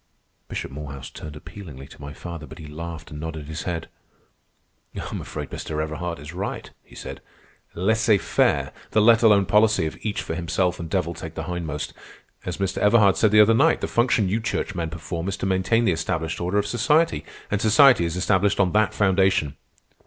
Bishop Morehouse turned appealingly to my father, but he laughed and nodded his head. "I'm afraid Mr. Everhard is right," he said. "Laissez faire, the let alone policy of each for himself and devil take the hindmost. As Mr. Everhard said the other night, the function you churchmen perform is to maintain the established order of society, and society is established on that foundation."